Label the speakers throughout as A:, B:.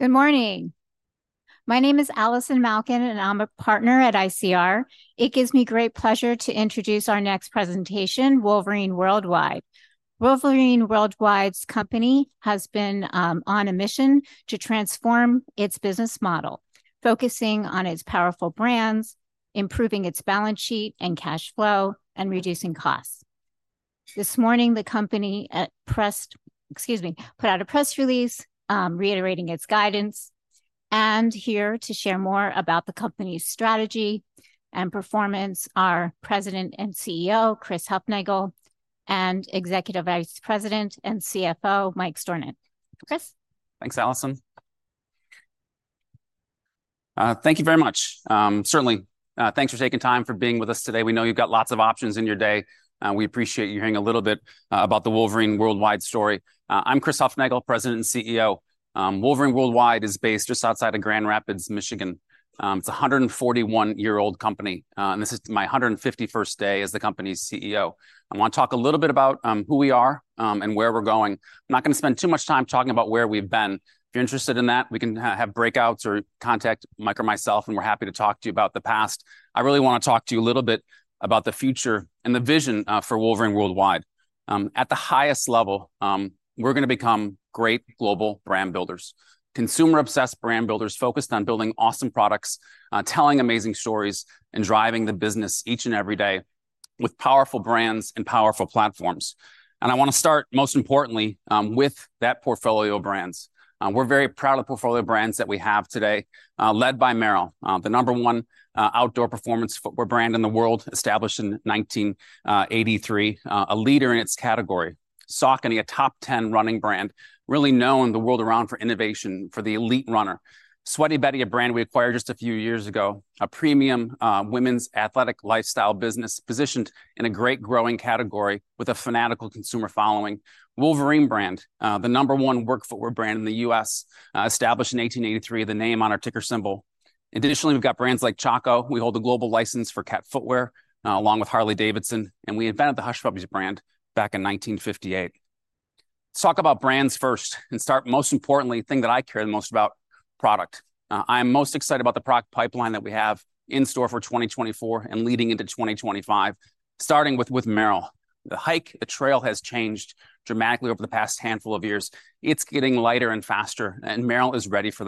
A: Good morning! My name is Allison Malkin, and I'm a partner at ICR. It gives me great pleasure to introduce our next presentation, Wolverine Worldwide. Wolverine Worldwide's company has been on a mission to transform its business model, focusing on its powerful brands, improving its balance sheet and cash flow, and reducing costs. This morning, the company put out a press release, reiterating its guidance, and here to share more about the company's strategy and performance are President and CEO, Chris Hufnagel, and Executive Vice President and CFO, Mike Stornant. Chris?
B: Thanks, Allison. Thank you very much. Certainly, thanks for taking time for being with us today. We know you've got lots of options in your day, and we appreciate you hearing a little bit about the Wolverine Worldwide story. I'm Chris Hufnagel, President and CEO. Wolverine Worldwide is based just outside of Grand Rapids, Michigan. It's a 141-year-old company, and this is my 151st day as the company's CEO. I wanna talk a little bit about who we are and where we're going. I'm not gonna spend too much time talking about where we've been. If you're interested in that, we can have breakouts or contact Mike or myself, and we're happy to talk to you about the past. I really wanna talk to you a little bit about the future and the vision, for Wolverine Worldwide. At the highest level, we're gonna become great global brand builders. Consumer-obsessed brand builders focused on building awesome products, telling amazing stories, and driving the business each and every day with powerful brands and powerful platforms. I wanna start, most importantly, with that portfolio of brands. We're very proud of the portfolio of brands that we have today, led by Merrell, the number one outdoor performance footwear brand in the world, established in 1983. A leader in its category. Saucony, a top 10 running brand, really known the world around for innovation for the elite runner. Sweaty Betty, a brand we acquired just a few years ago. A premium women's athletic lifestyle business positioned in a great growing category with a fanatical consumer following. Wolverine brand, the number one work footwear brand in the U.S., established in 1883, the name on our ticker symbol. Additionally, we've got brands like Chaco. We hold a global license for Cat Footwear, along with Harley-Davidson, and we invented the Hush Puppies brand back in 1958. Let's talk about brands first, and start, most importantly, the thing that I care the most about: product. I'm most excited about the product pipeline that we have in store for 2024 and leading into 2025, starting with Merrell. The hike, the trail has changed dramatically over the past handful of years. It's getting lighter and faster, and Merrell is ready for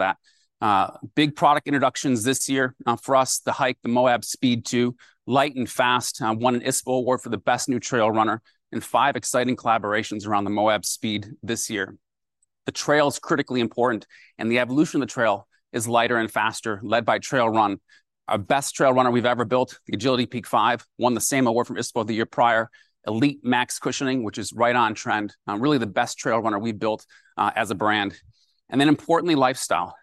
B: that. Big product introductions this year, for us, the hike, the Moab Speed 2, light and fast, won an ISPO Award for the best new trail runner, and five exciting collaborations around the Moab Speed this year. The trail is critically important, and the evolution of the trail is lighter and faster, led by trail run. Our best trail runner we've ever built, the Agility Peak 5, won the same award from ISPO the year prior. Elite max cushioning, which is right on trend. Really the best trail runner we've built, as a brand. And then, importantly, lifestyle.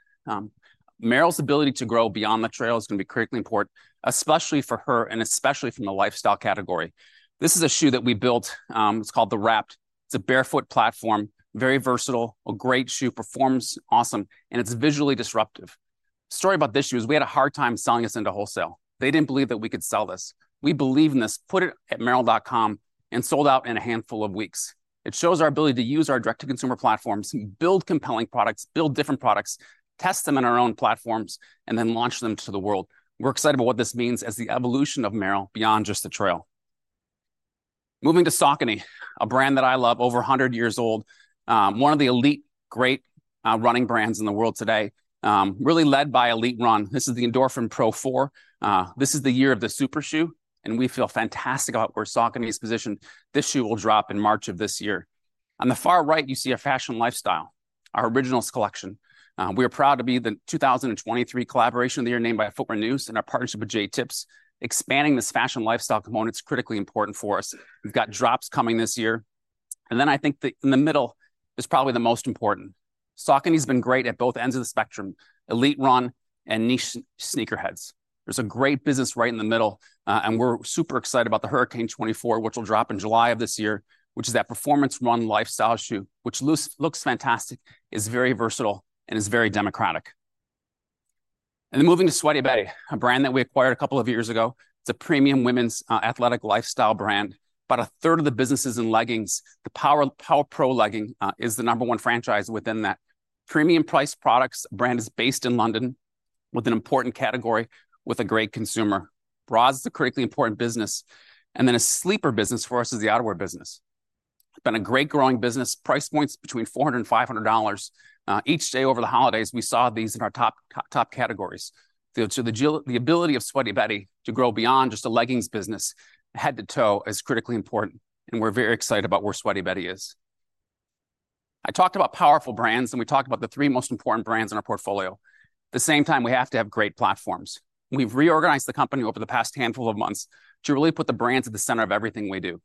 B: Merrell's ability to grow beyond the trail is gonna be critically important, especially for her and especially from the lifestyle category. This is a shoe that we built. It's called the Wrapt. It's a barefoot platform, very versatile, a great shoe, performs awesome, and it's visually disruptive. Story about this shoe is we had a hard time selling this into wholesale. They didn't believe that we could sell this. We believe in this, put it at Merrell.com, and sold out in a handful of weeks. It shows our ability to use our direct-to-consumer platforms, build compelling products, build different products, test them in our own platforms, and then launch them to the world. We're excited about what this means as the evolution of Merrell beyond just the trail. Moving to Saucony, a brand that I love, over a hundred years old. One of the elite, great, running brands in the world today. Really led by elite run. This is the Endorphin Pro 4. This is the year of the super shoe, and we feel fantastic about where Saucony is positioned. This shoe will drop in March of this year. On the far right, you see a fashion lifestyle, our Originals collection. We are proud to be the 2023 Collaboration of the Year, named by Footwear News, and our partnership with Jae Tips. Expanding this fashion lifestyle component is critically important for us. We've got drops coming this year. And then I think the, in the middle is probably the most important. Saucony's been great at both ends of the spectrum, elite run and niche sneakerheads. There's a great business right in the middle, and we're super excited about the Hurricane 24, which will drop in July of this year, which is that performance run lifestyle shoe, which looks fantastic, is very versatile, and is very democratic. And then moving to Sweaty Betty, a brand that we acquired a couple of years ago. It's a premium women's athletic lifestyle brand. About a third of the business is in leggings. The Power, Power Pro legging is the number one franchise within that. Premium price products. Brand is based in London, with an important category, with a great consumer. Bras is a critically important business. And then a sleeper business for us is the outerwear business. Been a great growing business. Price points between $400 and $500. Each day over the holidays, we saw these in our top categories. So the ability of Sweaty Betty to grow beyond just a leggings business, head to toe, is critically important, and we're very excited about where Sweaty Betty is. I talked about powerful brands, and we talked about the three most important brands in our portfolio. At the same time, we have to have great platforms. We've reorganized the company over the past handful of months to really put the brands at the center of everything we do,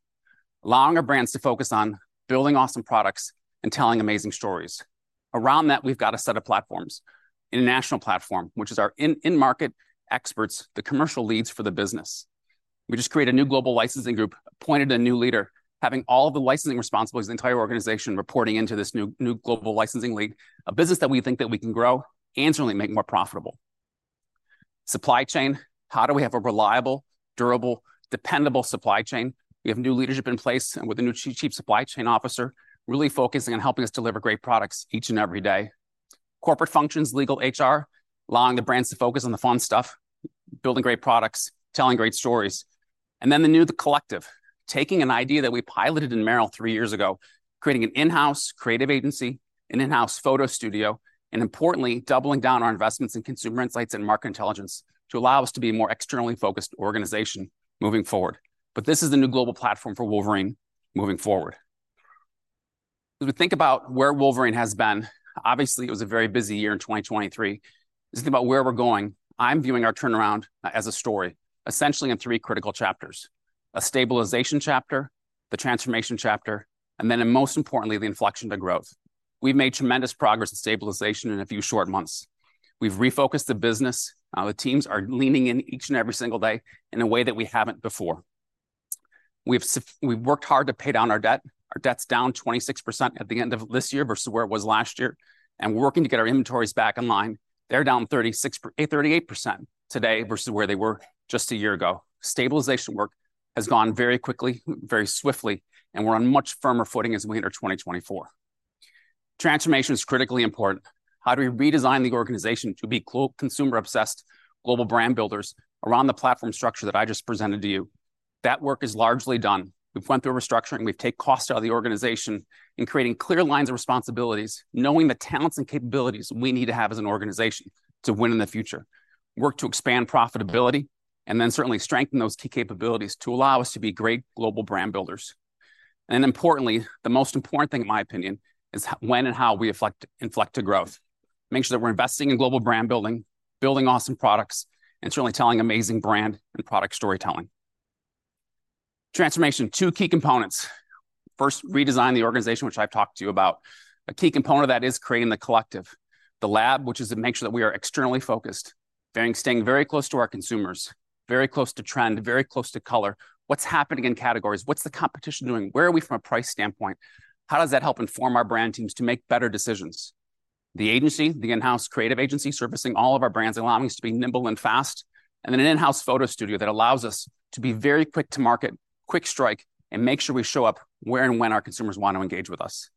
B: allowing our brands to focus on building awesome products and telling amazing stories. Around that, we've got a set of platforms. International platform, which is our in-market experts, the commercial leads for the business. We just created a new global licensing group, appointed a new leader, having all the licensing responsibilities of the entire organization reporting into this new global licensing lead, a business that we think that we can grow and certainly make more profitable. Supply chain. How do we have a reliable, durable, dependable supply chain? We have new leadership in place, and with a new Chief Supply Chain Officer, really focusing on helping us deliver great products each and every day. Corporate functions, legal, HR, allowing the brands to focus on the fun stuff, building great products, telling great stories. And then the new The Collective, taking an idea that we piloted in Merrell three years ago, creating an in-house creative agency, an in-house photo studio, and importantly, doubling down on our investments in consumer insights and market intelligence to allow us to be a more externally focused organization moving forward. But this is the new global platform for Wolverine moving forward. As we think about where Wolverine has been, obviously, it was a very busy year in 2023. As we think about where we're going, I'm viewing our turnaround as a story, essentially in three critical chapters: a stabilization chapter, the transformation chapter, and then, and most importantly, the inflection to growth. We've made tremendous progress in stabilization in a few short months. We've refocused the business. The teams are leaning in each and every single day in a way that we haven't before. We've worked hard to pay down our debt. Our debt's down 26% at the end of this year versus where it was last year, and we're working to get our inventories back in line. They're down 36%-38% today versus where they were just a year ago. Stabilization work has gone very quickly, very swiftly, and we're on much firmer footing as we enter 2024. Transformation is critically important. How do we redesign the organization to be consumer-obsessed global brand builders around the platform structure that I just presented to you? That work is largely done. We've went through a restructuring. We've take cost out of the organization in creating clear lines of responsibilities, knowing the talents and capabilities we need to have as an organization to win in the future. Work to expand profitability, and then certainly strengthen those key capabilities to allow us to be great global brand builders. And importantly, the most important thing, in my opinion, is when and how we inflect to growth. Make sure that we're investing in global brand building, building awesome products, and certainly telling amazing brand and product storytelling. Transformation, two key components. First, redesign the organization, which I've talked to you about. A key component of that is creating The Collective. The Lab, which is to make sure that we are externally focused, staying very close to our consumers, very close to trend, very close to color. What's happening in categories? What's the competition doing? Where are we from a price standpoint? How does that help inform our brand teams to make better decisions? The agency, the in-house creative agency, servicing all of our brands, allowing us to be nimble and fast, and then an in-house photo studio that allows us to be very quick to market, quick strike, and make sure we show up where and when our consumers want to engage with us.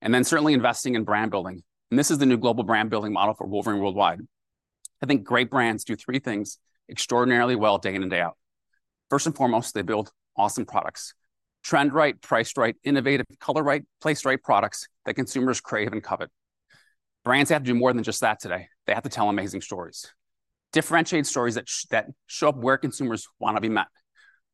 B: Then, certainly investing in brand building, and this is the new global brand building model for Wolverine Worldwide. I think great brands do three things extraordinarily well day in and day out. First and foremost, they build awesome products, trend-right, priced right, innovative, color right, placed right products that consumers crave and covet. Brands have to do more than just that today. They have to tell amazing stories, differentiated stories that show up where consumers want to be met,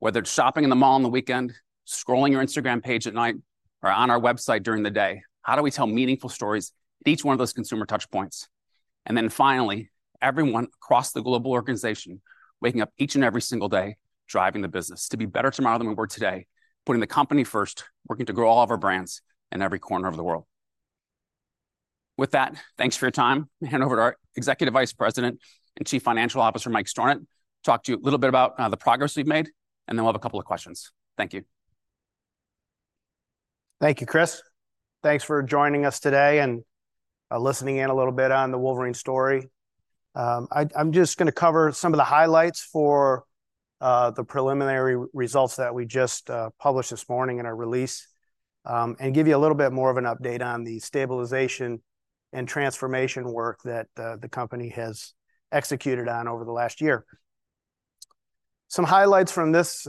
B: whether it's shopping in the mall on the weekend, scrolling your Instagram page at night, or on our website during the day. How do we tell meaningful stories at each one of those consumer touch points? And then finally, everyone across the global organization, waking up each and every single day, driving the business to be better tomorrow than we were today, putting the company first, working to grow all of our brands in every corner of the world. With that, thanks for your time. Hand over to our Executive Vice President and Chief Financial Officer, Mike Stornant. Talk to you a little bit about the progress we've made, and then we'll have a couple of questions. Thank you.
C: Thank you, Chris. Thanks for joining us today and listening in a little bit on the Wolverine story. I'm just gonna cover some of the highlights for the preliminary results that we just published this morning in our release, and give you a little bit more of an update on the stabilization and transformation work that the company has executed on over the last year. Some highlights from this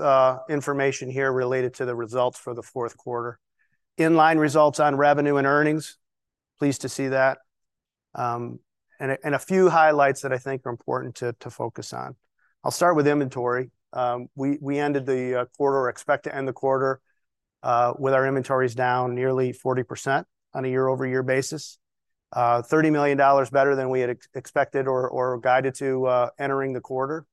C: information here related to the results for the fourth quarter. In-line results on revenue and earnings, pleased to see that, and a few highlights that I think are important to focus on. I'll start with inventory. We ended the quarter, or expect to end the quarter, with our inventories down nearly 40% on a year-over-year basis. $30 million better than we had expected or guided to, entering the quarter,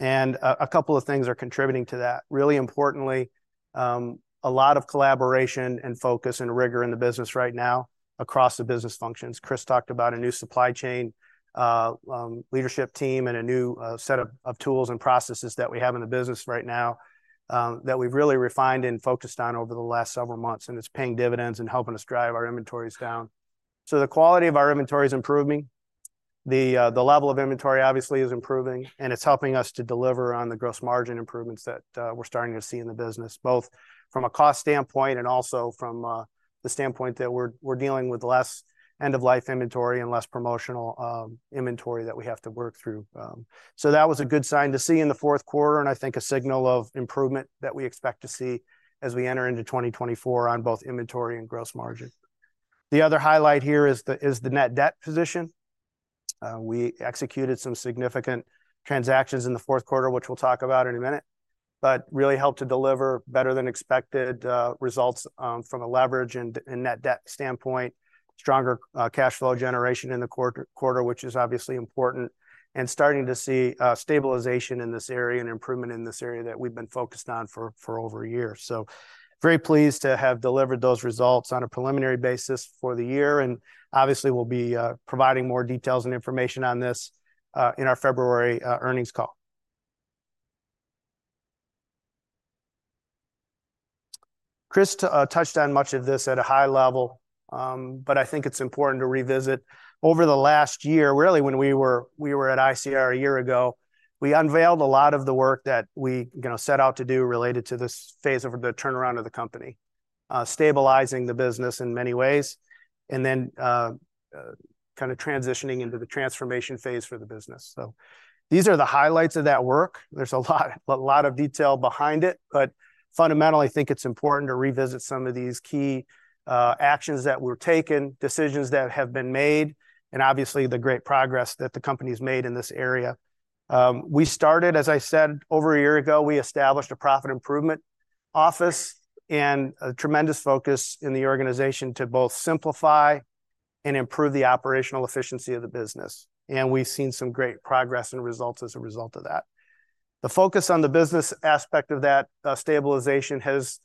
C: and a couple of things are contributing to that. Really importantly, a lot of collaboration and focus and rigor in the business right now across the business functions. Chris talked about a new supply chain leadership team and a new set of tools and processes that we have in the business right now, that we've really refined and focused on over the last several months, and it's paying dividends and helping us drive our inventories down. So the quality of our inventory is improving. The level of inventory obviously is improving, and it's helping us to deliver on the gross margin improvements that we're starting to see in the business, both from a cost standpoint and also from the standpoint that we're dealing with less end-of-life inventory and less promotional inventory that we have to work through. So that was a good sign to see in the fourth quarter, and I think a signal of improvement that we expect to see as we enter into 2024 on both inventory and gross margin. The other highlight here is the net debt position. We executed some significant transactions in the fourth quarter, which we'll talk about in a minute, but really helped to deliver better-than-expected results from a leverage and net debt standpoint. Stronger cash flow generation in the quarter, which is obviously important, and starting to see stabilization in this area and improvement in this area that we've been focused on for over a year. So very pleased to have delivered those results on a preliminary basis for the year, and obviously, we'll be providing more details and information on this in our February earnings call. Chris too touched on much of this at a high level, but I think it's important to revisit. Over the last year, really, when we were at ICR a year ago, we unveiled a lot of the work that we, you know, set out to do related to this phase of the turnaround of the company. Stabilizing the business in many ways, and then kind of transitioning into the transformation phase for the business. So these are the highlights of that work. There's a lot, a lot of detail behind it, but fundamentally, I think it's important to revisit some of these key actions that were taken, decisions that have been made, and obviously, the great progress that the company's made in this area. We started, as I said, over a year ago, we established a profit improvement office and a tremendous focus in the organization to both simplify and improve the operational efficiency of the business, and we've seen some great progress and results as a result of that. The focus on the business aspect of that stabilization has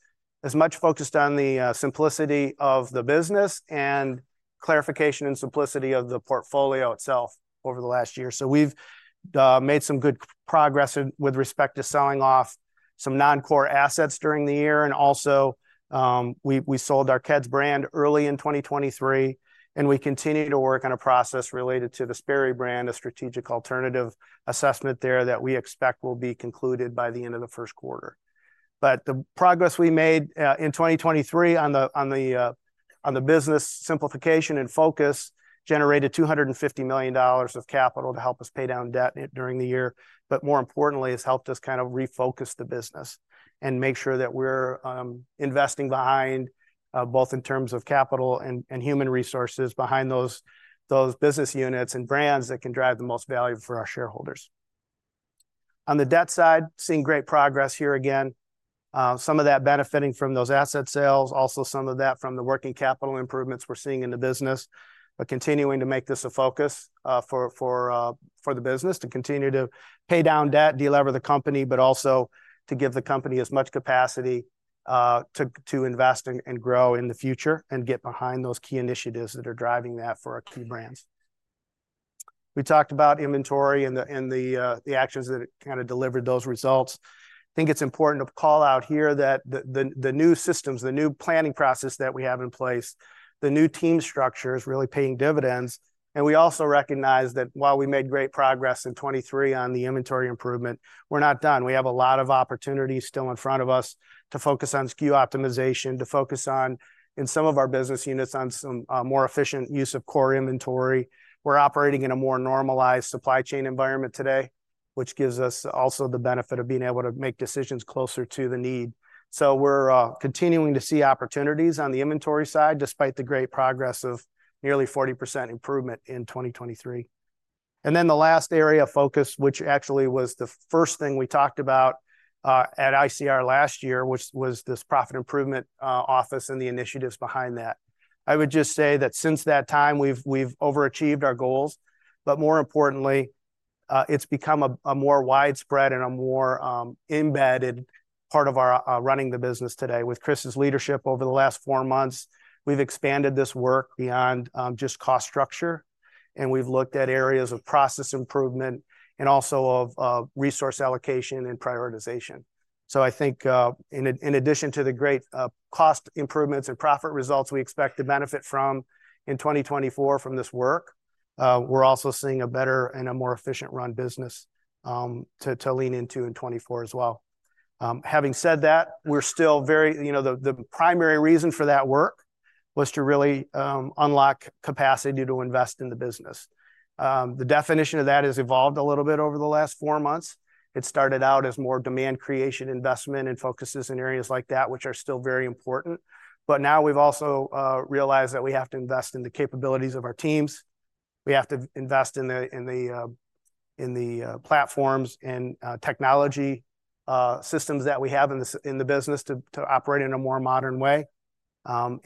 C: as much focused on the simplicity of the business and clarification and simplicity of the portfolio itself over the last year. So we've made some good progress in with respect to selling off some non-core assets during the year, and also, we sold our Keds brand early in 2023, and we continue to work on a process related to the Sperry brand, a strategic alternative assessment there that we expect will be concluded by the end of the first quarter. But the progress we made in 2023 on the business simplification and focus generated $250 million of capital to help us pay down debt during the year, but more importantly, has helped us kind of refocus the business and make sure that we're investing behind both in terms of capital and human resources behind those business units and brands that can drive the most value for our shareholders. On the debt side, seeing great progress here again, some of that benefiting from those asset sales, also some of that from the working capital improvements we're seeing in the business, but continuing to make this a focus for the business to continue to pay down debt, de-lever the company, but also to give the company as much capacity to invest and grow in the future and get behind those key initiatives that are driving that for our key brands. We talked about inventory and the actions that it kind of delivered those results. I think it's important to call out here that the new systems, the new planning process that we have in place, the new team structure is really paying dividends, and we also recognize that while we made great progress in 2023 on the inventory improvement, we're not done. We have a lot of opportunities still in front of us to focus on SKU optimization, to focus on, in some of our business units, on some more efficient use of core inventory. We're operating in a more normalized supply chain environment today, which gives us also the benefit of being able to make decisions closer to the need. So we're continuing to see opportunities on the inventory side, despite the great progress of nearly 40% improvement in 2023. Then the last area of focus, which actually was the first thing we talked about at ICR last year, which was this profit improvement office and the initiatives behind that. I would just say that since that time, we've overachieved our goals, but more importantly, it's become a more widespread and a more embedded part of our running the business today. With Chris's leadership over the last four months, we've expanded this work beyond just cost structure, and we've looked at areas of process improvement and also of resource allocation and prioritization. So I think in addition to the great cost improvements and profit results we expect to benefit from in 2024 from this work, we're also seeing a better and a more efficient run business to lean into in 2024 as well. Having said that, we're still very, you know, the primary reason for that work was to really unlock capacity to invest in the business. The definition of that has evolved a little bit over the last four months. It started out as more demand creation, investment, and focuses in areas like that, which are still very important. But now we've also realized that we have to invest in the capabilities of our teams. We have to invest in the platforms and technology systems that we have in the business to operate in a more modern way.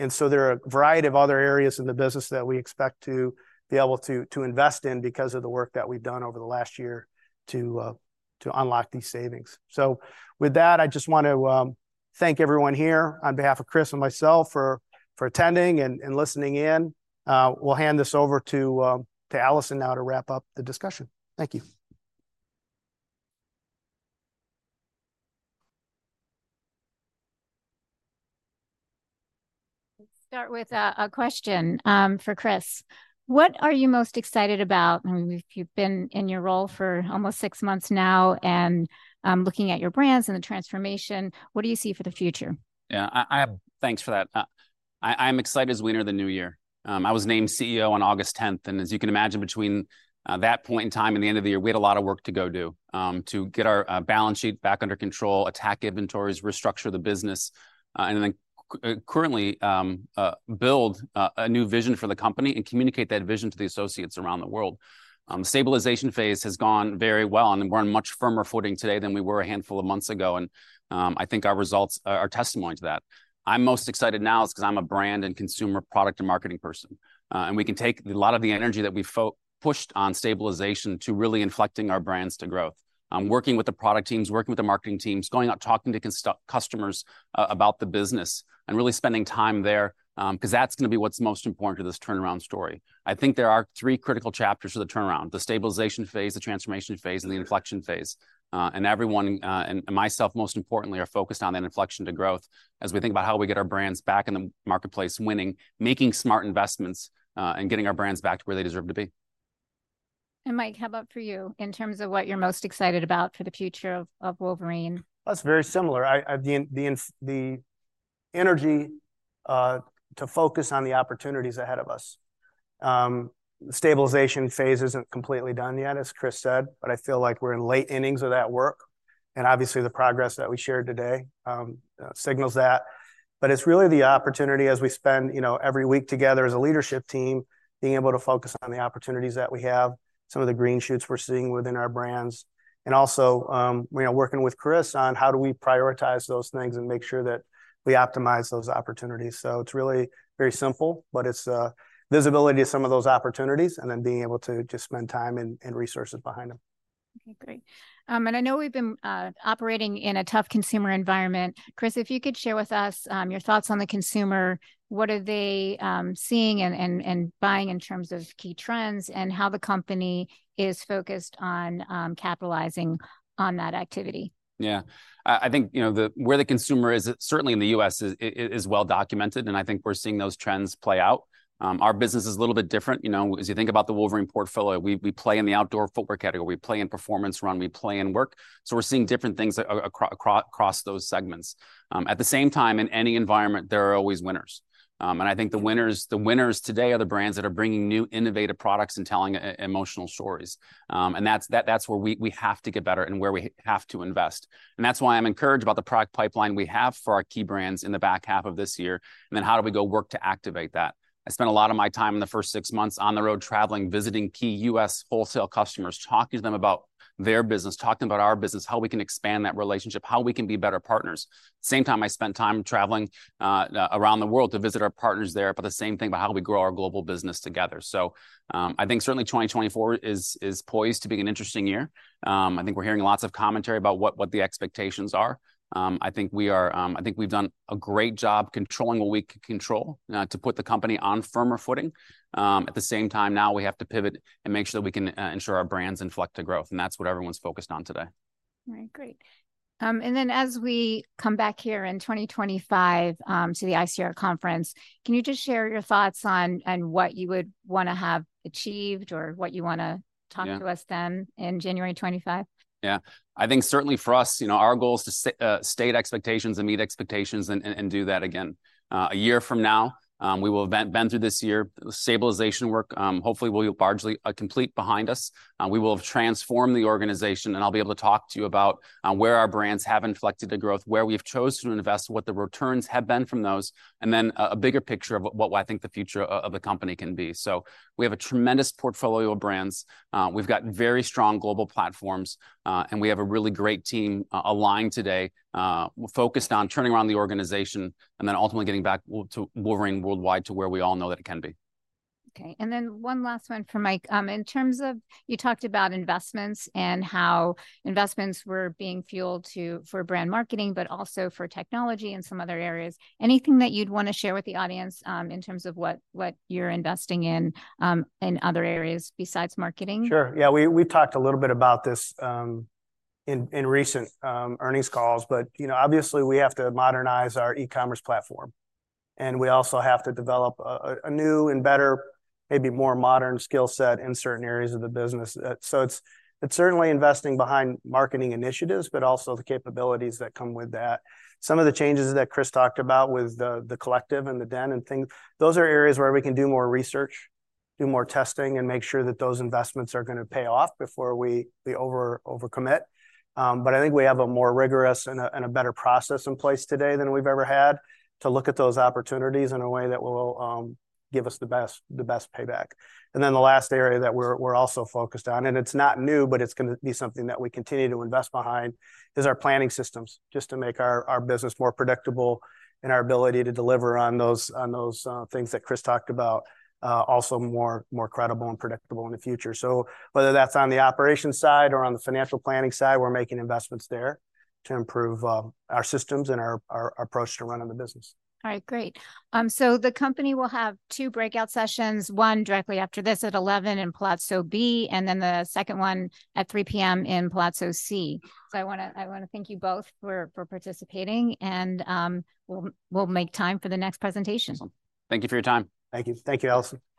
C: So there are a variety of other areas in the business that we expect to be able to invest in because of the work that we've done over the last year to unlock these savings. So with that, I just want to thank everyone here on behalf of Chris and myself for attending and listening in. We'll hand this over to Allison now to wrap up the discussion. Thank you.
A: Start with a question for Chris: What are you most excited about? I mean, you've been in your role for almost six months now, and looking at your brands and the transformation, what do you see for the future?
B: Yeah, thanks for that. I'm excited as we enter the new year. I was named CEO on August 10th, and as you can imagine, between that point in time and the end of the year, we had a lot of work to go do to get our balance sheet back under control, attack inventories, restructure the business, and then currently build a new vision for the company and communicate that vision to the associates around the world. Stabilization phase has gone very well, and we're on much firmer footing today than we were a handful of months ago, and I think our results are testimony to that. I'm most excited now because I'm a brand and consumer product and marketing person, and we can take a lot of the energy that we pushed on stabilization to really inflecting our brands to growth. I'm working with the product teams, working with the marketing teams, going out, talking to customers about the business, and really spending time there, because that's gonna be what's most important to this turnaround story. I think there are three critical chapters to the turnaround: the stabilization phase, the transformation phase, and the inflection phase. And everyone and myself, most importantly, are focused on that inflection to growth as we think about how we get our brands back in the marketplace, winning, making smart investments, and getting our brands back to where they deserve to be.
A: And Mike, how about for you, in terms of what you're most excited about for the future of Wolverine?
C: That's very similar. I the energy to focus on the opportunities ahead of us. The stabilization phase isn't completely done yet, as Chris said, but I feel like we're in late innings of that work, and obviously the progress that we shared today signals that. But it's really the opportunity as we spend, you know, every week together as a leadership team, being able to focus on the opportunities that we have, some of the green shoots we're seeing within our brands, and also, you know, working with Chris on how do we prioritize those things and make sure that we optimize those opportunities. So it's really very simple, but it's visibility of some of those opportunities, and then being able to just spend time and resources behind them.
A: Okay, great. I know we've been operating in a tough consumer environment. Chris, if you could share with us your thoughts on the consumer. What are they seeing and buying in terms of key trends, and how the company is focused on capitalizing on that activity?
B: Yeah. I think, you know, where the consumer is, certainly in the U.S., is well-documented, and I think we're seeing those trends play out. Our business is a little bit different. You know, as you think about the Wolverine portfolio, we play in the outdoor footwear category, we play in performance run, we play in work. So we're seeing different things across those segments. At the same time, in any environment, there are always winners. And I think the winners today are the brands that are bringing new, innovative products and telling emotional stories. And that's where we have to get better and where we have to invest. And that's why I'm encouraged about the product pipeline we have for our key brands in the back half of this year. Then, how do we go to work to activate that? I spent a lot of my time in the first six months on the road, traveling, visiting key U.S. wholesale customers, talking to them about their business, talking about our business, how we can expand that relationship, how we can be better partners. Same time, I spent time traveling around the world to visit our partners there, about the same thing, about how we grow our global business together. So, I think certainly 2024 is poised to be an interesting year. I think we're hearing lots of commentary about what the expectations are. I think we've done a great job controlling what we can control to put the company on firmer footing. At the same time, now we have to pivot and make sure that we can ensure our brands inflect to growth, and that's what everyone's focused on today.
A: All right, great. And then, as we come back here in 2025, to the ICR conference, can you just share your thoughts on what you would wanna have achieved or what you wanna.
B: Yeah.
A: Talk to us then in January 2025?
B: Yeah. I think certainly for us, you know, our goal is to state expectations and meet expectations and do that again. A year from now, we will have been through this year. The stabilization work, hopefully will be largely complete behind us. We will have transformed the organization, and I'll be able to talk to you about where our brands have inflected to growth, where we've chosen to invest, what the returns have been from those, and then a bigger picture of what I think the future of the company can be. We have a tremendous portfolio of brands, we've got very strong global platforms, and we have a really great team, aligned today, focused on turning around the organization and then ultimately getting back to Wolverine Worldwide to where we all know that it can be.
A: Okay. And then one last one for Mike. In terms of, you talked about investments and how investments were being fueled for brand marketing, but also for technology and some other areas. Anything that you'd wanna share with the audience, in terms of what, what you're investing in, in other areas besides marketing?
C: Sure, yeah. We talked a little bit about this in recent earnings calls, but you know, obviously, we have to modernize our eCommerce platform, and we also have to develop a new and better, maybe more modern skill set in certain areas of the business. So it's certainly investing behind marketing initiatives, but also the capabilities that come with that. Some of the changes that Chris talked about with The Collective and The Lab and things, those are areas where we can do more research, do more testing, and make sure that those investments are gonna pay off before we overcommit. But I think we have a more rigorous and a better process in place today than we've ever had, to look at those opportunities in a way that will give us the best payback. Then the last area that we're also focused on, and it's not new, but it's gonna be something that we continue to invest behind, is our planning systems, just to make our business more predictable and our ability to deliver on those things that Chris talked about also more credible and predictable in the future. So whether that's on the operations side or on the financial planning side, we're making investments there to improve our systems and our approach to running the business.
A: All right, great. So the company will have two breakout sessions, one directly after this at 11:00 A.M. in Palazzo B, and then the second one at 3:00 P.M. in Palazzo C. So I wanna thank you both for participating, and we'll make time for the next presentation.
B: Awesome. Thank you for your time.
C: Thank you. Thank you, Allison.